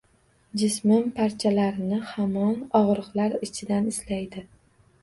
Jismim parchalarini hamon og’riqlar ichidan izlaydi.